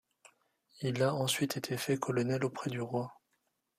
Il a ensuite été fait colonel auprès du roi.